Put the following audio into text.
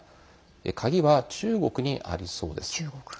鍵は中国にありそうです。